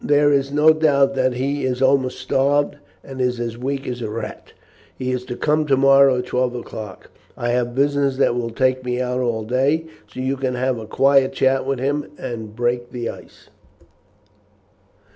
There is no doubt that he is almost starved, and is as weak as a rat. He is to come to morrow at twelve o'clock. I have business that will take me out all day, so you can have a quiet chat with him and break the ice."